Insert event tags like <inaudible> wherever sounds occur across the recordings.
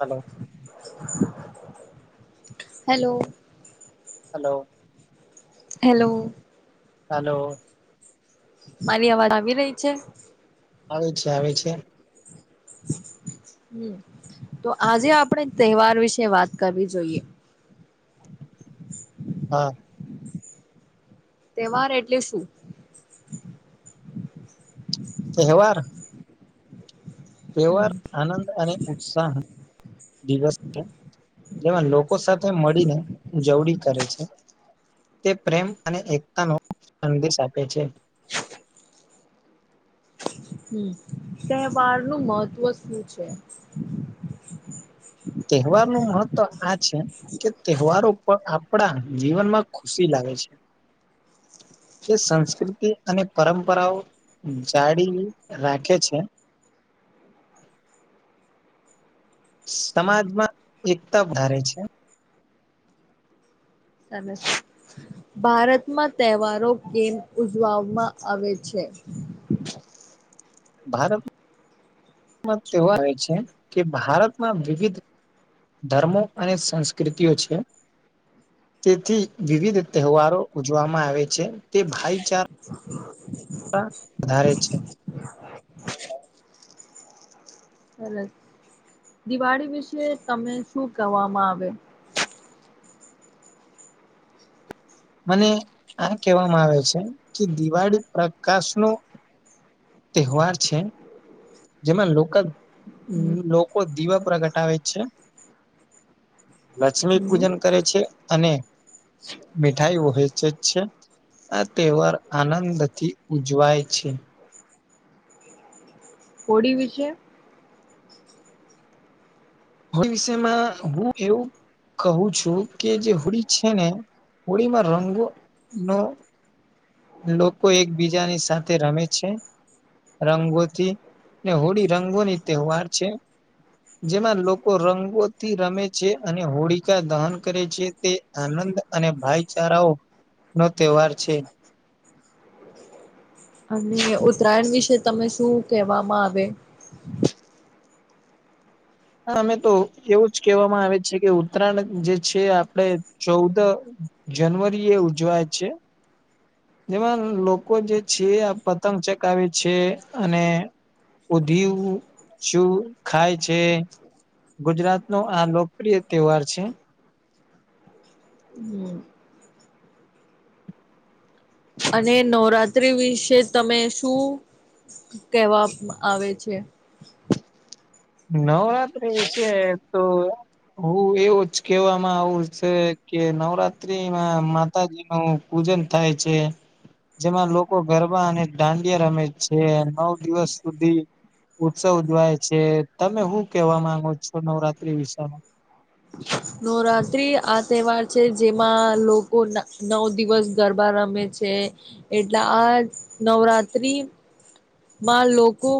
Hello hello hello hello hello મારી અવાજ આવી રહી છે. આવે છે આવે છે. હમ તો આજે આપણે તહેવાર વિશે વાત કરવી જોઈએ. હા તહેવાર એટલે શું કેહેવાર તહેવાર હમ આનંદ અને ઉત્સાહ. દિવસ છે જેમાં લોકો સાથે મળીને ઉજવડી કરે છે. તે પ્રેમ અને એકતા નો સંદેશ આપે છે. હમ તહેવાર નું મહત્વ શું છે. તહેવાર નું મહત્વ આ છે. કે તહેવારો પણ આપડા જીવનમાં ખુશી લાગે છે. એ સંસ્કૃતિ અને પરંપરાઓ જાડી રાખે છે સમાજમાં એકતા વધારે છે સ ભારતમાં તહેવારો કેમ ઉજવવામાં આવે છે ભારત એવા આવે છે કે ભારતમાં વિવિધ ધર્મો અને સંસ્કૃતિઓ છે તેથી વિવિધ તહેવારો ઉજવામાં આવે છે તે ભાઈ <inaudible> પણ વધારે છે સરસ દિવાળી વિશે તમે શું કવામાં આવે મને આ કહેવામાં આવે છે કે દિવાળી પ્રકાશ ન તહેવાર છે જેમાં લોકો હમ લોકો દીવા પ્ર પ્રગટાવે છે લક્ષ્મી હમ પૂજન કરે છે અને મીઠાઈ વહેંચે છે આ તહેવાર આનંદથી ઉજવાય છે હોળી વિશે હો વિષયમાં હું એવું કહું છું કે જે હોળી છે ને હોળીમાં રંગો નો લોકો એકબીજાની સાથે રમે છે રંગોથી હોળી રંગોની તહેવાર છે જેમાં લોકો રંગોથી રમે છે અને હોળકાા દહન કરે છે તે આનંદ અને ભાઈચારાઓ નો તહેવાર છે અને ઉત્તરાયણ વિશે તમે શું કહેવામાં આવે હ અમે તો એવું જ કહેવામાં આવે છે કે ઉત્તરાયણ જે છે આપડ ચૌદ જનવરી એ ઉજવાય છે જેમાં લોકો જે છે આ પતંગ ચકાવે છે અને ઉધી શું ખાય છે ગુજરાત નો આ લોકપ્રિય તહેવાર છે હમ અને નવરાત્રી વિશે તમે શું કહેવા આવે છે નવરાત્રી વિશે તો હું એવું જ કેહેવામાં આવું છે કે નવરાત્રીમાં મા માતાજી નું પૂજન થાય છે જેમાં લોકો ગરબા અને દાંડિયા રમે છે નવ દિવસ સુધી ઉત્સવ ઉજવાય છે તમે શું કેવા માંગો છો નવરાત્રી વિષમાં નવરાત્ર્રી આ તહેવાર છે જેમાં લોકો નવ દિવસ ગરબા રમે છે એટલે આ નવરાત્ર્રી માં લોકો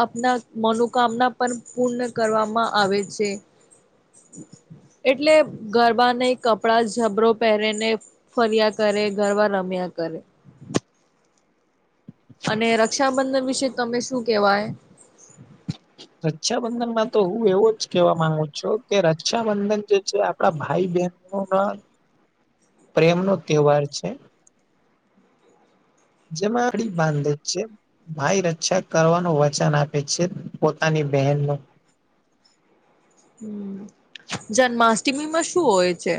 આપના મનોકામના પણ પૂર્ણ કરવામાં આવે છે એટલે ગરબા નહ કપડા જબરો પહેરી ને ફર્યા કરે ગરબા રમ્યા કરે. અને રક્ષાબંધન વિશે તમે શું કેવાય? રક્ષાબંધન માં તો હું એવો જ કેવા માંગુ છું કે રક્ષાબંધન જે છે આપડા ભાઈ બહેનો ના <inaudible> પ્રેમનોો તહેવાર છે જેમાં અડી બાંધે જ છે ભાઈ રક્ષા કરવાનું વચન આપે છે પોતાની બહેન ન હમ જન્માષ્ટમીમાં શું હોય છે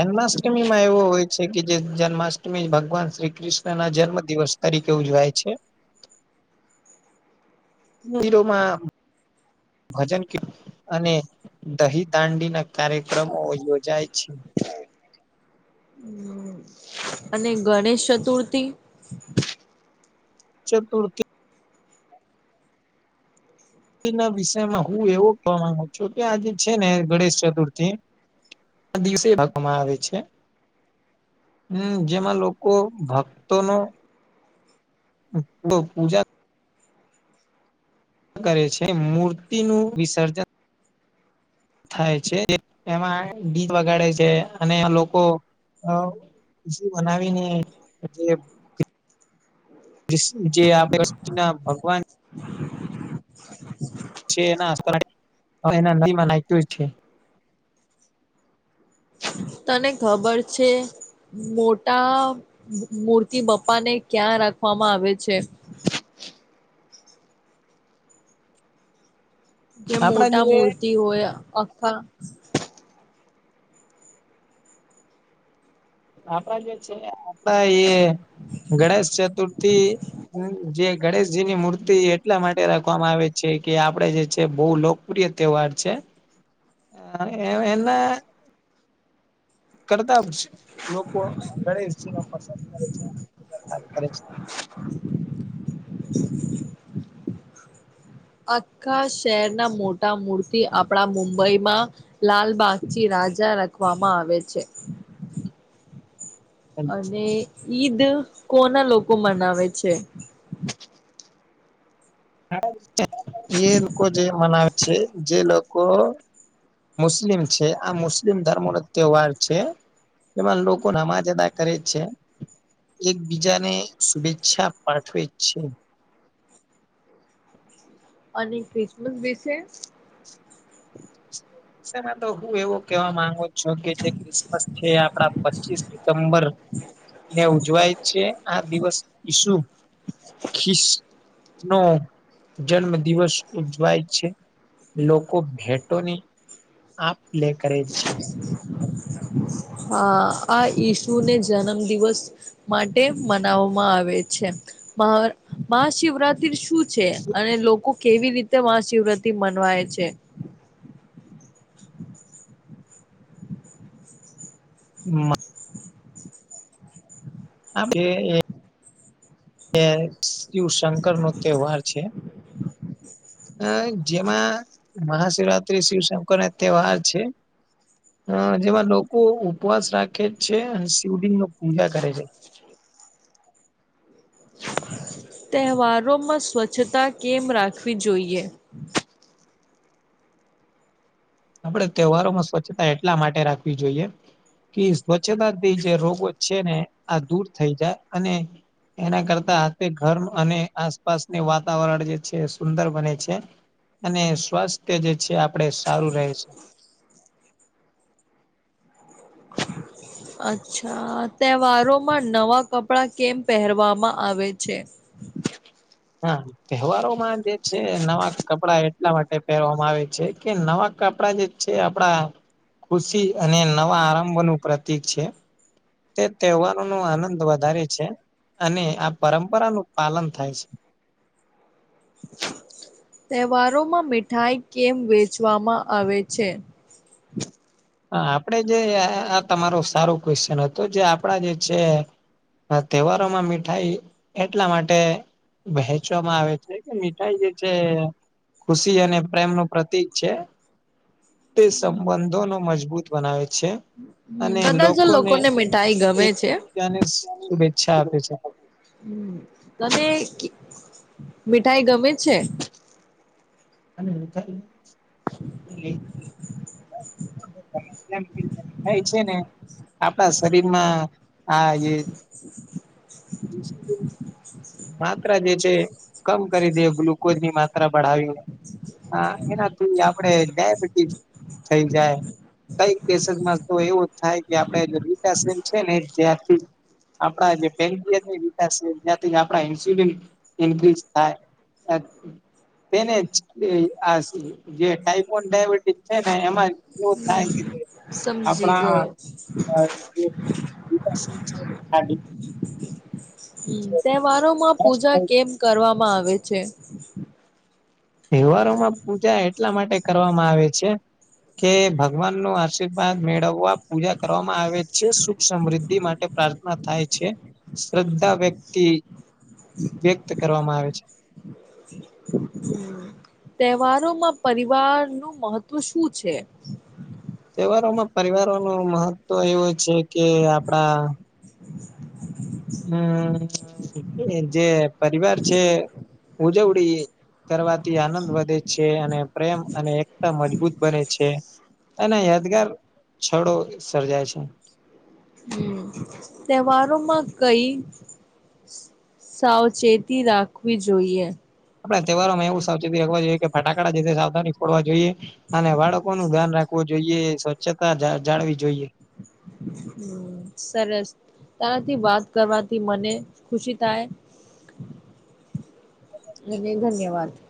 જન્માષ્ટમી માં એવો હોય છે કે જે જન્માષ્ટમી ભગવાન શ્રી કૃષ્ણ ના જન્મ દિવસ તરીકે ઉજવાય છે. મંદિરોમાં ભજન કીર્તન અને દહી દાંડી ના કાર્યક્રમો યોજાય છે. અને ગણેશ ચતુર્થી હ <unintelligible> ચતુર્થી વિષયમાં હું એવો કહેવા માંગુ છું કે આજે છે ને ગણેશ ચતુર્થી આ દિવસે ભાગમાં આવે છે હમ જેમાં લોકો ભક્તો નો તો પૂજા કરે છે મૂર્તિ નું વિસર્જન થાય છે એમાં ગીધ વગાડે છે અને લોકો ખુશી બનાવીને જે જે આપે પ ના ભગવાન છે એના એના ના્યું છે. તને ખબર છે! મોટા મૂર્તિ બપ્પા ને ક્યાં રાખવામાં આવે છે? જે આપણા મોટા જે મૂર્તિ હોય અખા આપડા જે છે આપડા એ ગણેશ ચતુર્થી હ જે ગણેશજીની મૂર્તિ એટલા માટે રાખવામાં આવે છે કે આપડે જે છે બહુ પ્રિય તહેવાર છે. હ <unintelligible> હ એ એ કરતા છે લોકો ગણેશજી ન પસંદ કરે છે પૂજ પાઠ કરે છે. આખા શહેરના મોટા મૂર્તિ આપણા મુંબઈમાં લાલબાગજી રાજા રાખવામાં આવે છે. છે અને ઈદ કોના લોકો મનાવે છે? એ લોકો જે મનાવે છે જે લોકો મુસ્લિમ છે આ મુસ્લિમ ધર્મો નો તહેવાર છે. એમાં લોકો નમાજ અદા કરે જ છે. એકબીજાને શુભેચ્છા પાઠવે છે. અને ખ્રિસમસ વિસે? માં તો હું એવો કેવા માંગો છ જોકે જે ક્રિસમસ છે આપડા પચીસ ડિસેમ્બર ને ઉજવાય છે આ દિવસ ઈસુ ખીસ નો જન્મ દિવસ ઉજવાય છે લોકો લોકો ભેટો ની આપ પ્લે કરે જ છે. હા આ ઈસુ ને જન્મ દિવસ માટે મનાવવામાં આવે છે મહ મહાશિવરાત્રી શું છે અને લોકો કેવી રીતે મહાશિવરાત્રી મનવાય છે. <unintelligible> <unintelligible> શિવ શંકર નો તહેવાર છે. અ જેમાં મહાશિવરાત્રી શિવશંકર ના તહેવાર છે. હ જેમાં લોકો ઉપવાસ રાખે છે અને શિવજીંગ ન પૂજા કરે છે. તહેવારોમાં સ્વચ્છતા કેમ રાખવી જોઈએ? આપડે તહેવારોમાં સ્વચ્છતા એટલા માટે રાખવી જોઈએ કે સ્વચ્છતાથી જે રોગો છે ને આ દૂર થઈ જાય અને એના કરતા ઘર અને આસપાસને વાતાવરણ જે છે સુંદર બને છે. અને સ્વાસ્થ્ય જે છે આપડે સારું રહે છે. અચ્છા તહેવારોમાં નવા કપડા કેમ પહેરવામાં આવે છે? હા. તહેવારોમાં જે છે નવા કપડા એટલા માટે પહેરવામાં આવે છે કે નવા કપડા જે છે આપડા ખુશી અને નવા આરંભ નું પ્રતિક છે. તે તહેવારો નો આનંદ વધારે છે. અને આ પરંપરાનું પાલન થાય છે. તહેવારોમાં મીઠાઈ કેમ વેચવામાં આવે છે? હા આપડે જે આ તમારો સારો ક્વેશ્ચન હતું જે આપણા જે છે તહેવારોમાં મીઠાઈ એટલા માટે વહેચવામાં આવે છે કે મીઠાઈ જે છે ખુશી અને પ્રેમ નું પ્રતીક છે તે સંબંધો નો મજબૂત બનાવે છે. હમ અને બધા જ લોકોને મીઠાઈ ગમે છે. એકબીજાને શુભેચ્છા આપે છે. હમ તને મીઠાઈ ગમે છે? <unintelligible> <inaudible> થાય છે ને આપડા શરીરમાં આ <unintelligible> માત્રા જે છે કમ કરી દે ગ્લુકોઝ ની માત્રા ભઢાવીને હા એનાથી આપણેે ડાયબિટીસ થઈ જાય. કઈક કેસેસમાં તો એવું થાય કે આપડે વિકાસ સેલ્સ છે ને ત્યાંથી આપણા જે <unintelligible> તેને જ આસી જે ટાઈપોન ડાયાબિટીસ છે ને એમાં એવું થાય કે સમજી આપણા ગયો. <unintelligible> હમ તહેવારોમાં નષ્ટ પૂજા થઈ કેમ કરવામાં આવે છે? તહેવારોમાં પૂજા એટલા માટે કરવામાં આવે છે. કે ભગવાનનું આશીર્વાદ મેળવવા પૂજા કરવામાં આવે છે સુખ સમૃદ્ધિ માટે. પ્રાર્થના થાય છે શ્રદ્ધા વ્યક્તિ વ્યક્ત કરવામાં આવે છે. તહેવારોમાં પરિવારનું મહત્વ શું છે? તહેવારોમાં પરિવારોનુ મહત્વ એવું છે કે આપડા હમ જે પરિવાર છે ઉજવણી કરવાથી આનંદ વધે છે અને પ્રેમ અને એકતા મજબૂત બને છે. એના યાદગાર છડો સર્જાય છે. હમ. તહેવારોમાં કઈ સાવચેતી રાખવી જોઈએ? આપણે તહેવારોમાં એવું સાવચેતી રાખવા જોઈએ કે ફટાકડા જે સાવધાની ફોડવા જોઈએ. અને બાળકો નું ધ્યાન રાખવું જોઈએ સ્વચ્છતા જાળવી જોઈએ. હમમ સરસ તારા થી વાત કરવાથી મને ખુશી થાય. ધન્યવાદ <unintelligible>